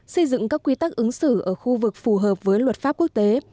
xây dựng các quy tắc ứng xử ở khu vực phù hợp với luật pháp quốc tế